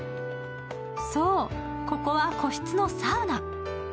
そう、ここは個室のサウナ。